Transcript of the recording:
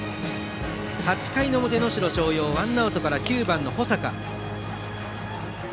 ８回の表、能代松陽ワンアウトから９番の保坂。